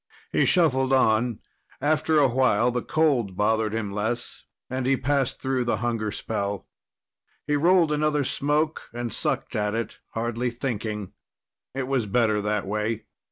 He shuffled on. After a while, the cold bothered him less, and he passed through the hunger spell. He rolled another smoke and sucked at it, hardly thinking. It was better that way.